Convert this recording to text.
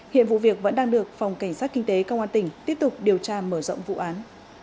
hiện vụ việc vẫn đang được phòng cảnh sát kinh tế công an tỉnh tiếp tục điều tra mở rộng vụ án